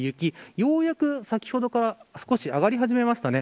ようやく先ほどから少し上がり始めました。